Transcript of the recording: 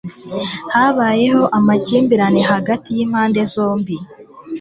habayeho amakimbirane hagati y'impande zombi